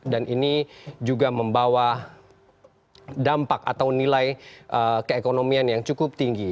dan ini juga membawa dampak atau nilai keekonomian yang cukup tinggi